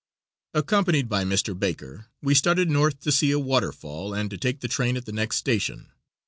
Accompanied by Mr. Baker, we started north to see a waterfall, and to take the train at the next station.